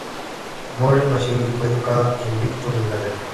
Moore nació y fue educada en Brighton, Inglaterra.